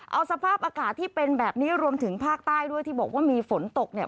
เอาสภาพอากาศที่เป็นแบบนี้รวมถึงภาคใต้ด้วยที่บอกว่ามีฝนตกเนี่ย